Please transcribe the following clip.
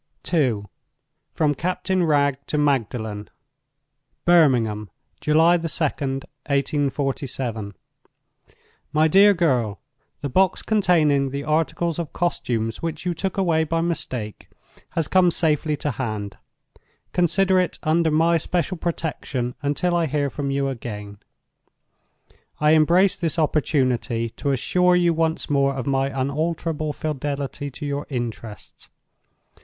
II. From Captain Wragge to Magdalen. "Birmingham, July 2d, 1847. "MY DEAR GIRL, "The box containing the articles of costumes which you took away by mistake has come safely to hand. Consider it under my special protection until I hear from you again. "I embrace this opportunity to assure you once more of my unalterable fidelity to your interests.